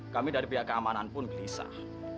kami dari pihak keamanan pun gelisah